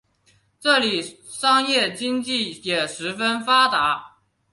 这里商业经济也十分发达。